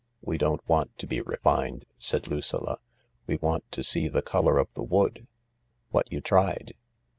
"We don't want to be refined/' said Lucilla ; "we want to see the colour of the wood." "What you tried?